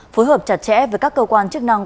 phối hợp chặt chẽ với các cơ quan chức năng